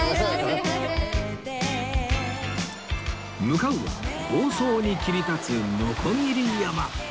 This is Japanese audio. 向かうは房総に切り立つ鋸山